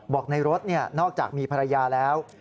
ในรถนอกจากมีภรรยาแล้ว